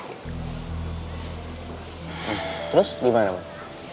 terus gimana mon